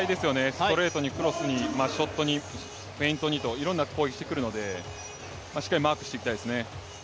ストレートにクロスにショットにフェイントにと、いろんな攻撃をしてくるのでしっかりマークしていきたいですね。